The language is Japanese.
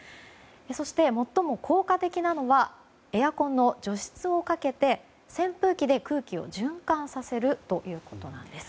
そして、最も効果的なのはエアコンの除湿をかけて扇風機で空気を循環させるということです。